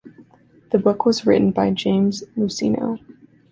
The book was written by James Luceno.